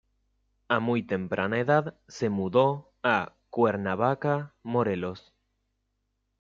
A muy temprana edad se mudó a Cuernavaca, Morelos.